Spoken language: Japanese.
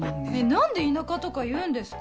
何で「田舎」とか言うんですか？